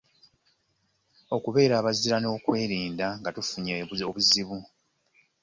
Okubeera abazira n’okwerwanako nga tufunye obuzibu.